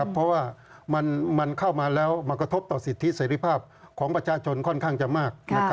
เพราะว่ามันเข้ามาแล้วมันกระทบต่อสิทธิเสร็จภาพของประชาชนค่อนข้างจะมาก